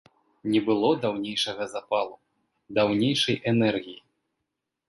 Не было даўнейшага запалу, даўнейшай энергіі.